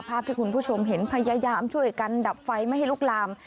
ภาพที่คุณผู้ชมเห็นพยายามช่วยกันดับไฟไม่ให้ลุกลาม